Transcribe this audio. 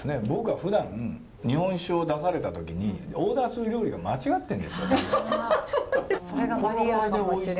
僕はふだん日本酒を出された時にオーダーする料理が間違ってるんですよ多分。